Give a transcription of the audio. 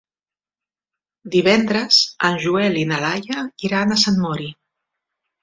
Divendres en Joel i na Laia iran a Sant Mori.